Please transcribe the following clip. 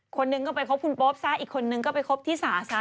คนนึงก็ไปคบคุณโป๊ปซะอีกคนนึงก็ไปคบที่สาซะ